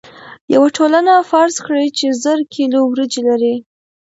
یوه ټولنه فرض کړئ چې زر کیلو وریجې لري.